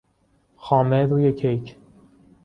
خامه روی کیک